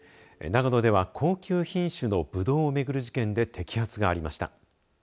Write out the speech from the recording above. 長野では高級品種のぶどうを巡る事件で摘発がありました。